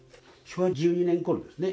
昭和１２年ごろですね。